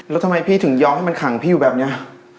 แล้วทำไมพี่ถึงยอมให้มันขังพี่อยู่แบบนี้